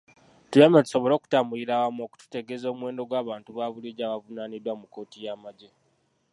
Tuyambe tusobole okutambulira awamu okututegeeza omuwendo gw’abantu ba bulijjo abavunaaniddwa mu kkooti y’amagye.